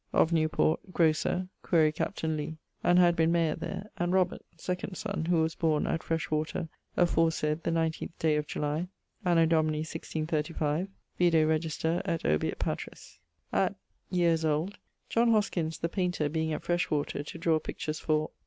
... of Newport, grocer (quaere capt. Lee) and had been mayer there, and Robert, second son, who was borne at Freshwater aforesayd the nineteenth day of July, Anno Domini 1635 vide register, et obiit patris. At ... yeares old, John Hoskyns, the painter, being at Freshwater, to drawe pictures for